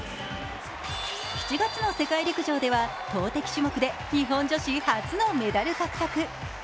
７月の世界陸上では投てき種目で日本女子初のメダル獲得。